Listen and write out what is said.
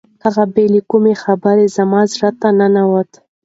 هغه بې له کومې خبرې زما زړه ته ننوته.